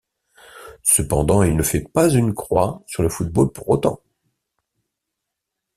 Cependant, il ne fait pas une croix sur le football pour autant.